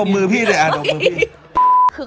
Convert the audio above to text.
เนียนดิเออ